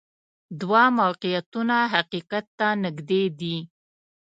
دوه موقعیتونه حقیقت ته نږدې دي.